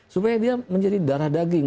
supaya dia menjadi darah daging